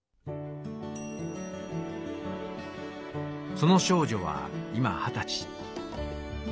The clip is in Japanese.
「その少女は今二十歳。